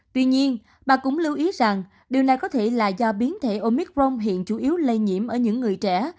tuy nhiên bà cũng lưu ý rằng điều này có thể là do biến thể omic rong hiện chủ yếu lây nhiễm ở những người trẻ